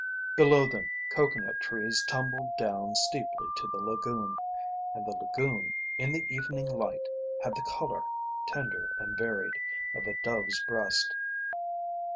Below them coconut trees tumbled down steeply to the lagoon, and the lagoon in the evening light had the colour, tender and varied, of a dove's breast.